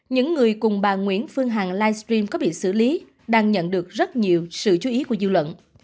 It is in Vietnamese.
những người cùng bà nguyễn phương hằng livestream có bị xử lý đang nhận được rất nhiều sự chú ý của dư luận